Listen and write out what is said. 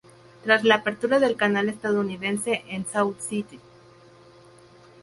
Tras la apertura del canal estadounidense en Sault Ste.